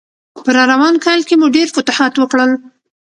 په راروان کال کې مو ډېر فتوحات وکړل.